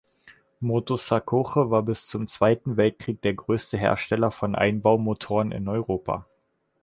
Motosacoche war bis zum Zweiten Weltkrieg der grösste Hersteller von Einbaumotoren in Europa.